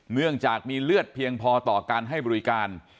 เนื่องจากมีเลือดเพียงพอต่อการให้บริการ